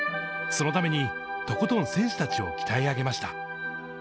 そのためにとことん選手たちを鍛え上げました。